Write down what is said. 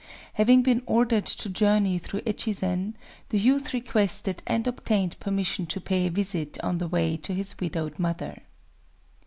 Having been ordered to journey through Echizen, the youth requested and obtained permission to pay a visit, on the way, to his widowed mother.